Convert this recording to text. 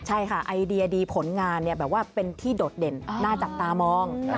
ใช่ค่ะไอเดียดีผลงานแบบว่าเป็นที่โดดเด่นน่าจับตามอง